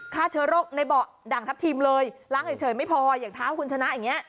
ฆ่าเชื้อโรคในเบาะด่างทัพทิมเลยล้างเฉยไม่พออย่างเท้าคุณชนะอย่างนี้